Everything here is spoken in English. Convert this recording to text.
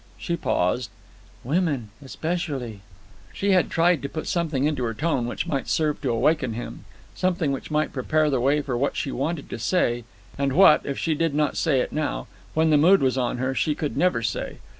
She paused. "Women especially." She had tried to put something into her tone which might serve to awaken him, something which might prepare the way for what she wanted to say—and what, if she did not say it now—when the mood was on her, she could never say.